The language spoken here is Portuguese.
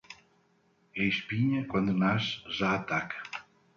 A espinha, quando nasce, já ataca.